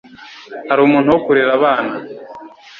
Hari umuntu wo kurera abana?